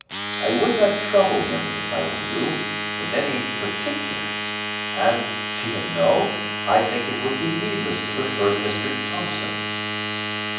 I would not trouble him, if I were you, with any particulars; and (do you know?) I think it would be needless to refer to Mr. Thomson.